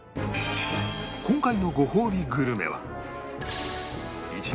今回のごほうびグルメは